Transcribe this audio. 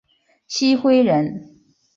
郗恢人。